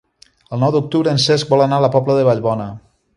El nou d'octubre en Cesc vol anar a la Pobla de Vallbona.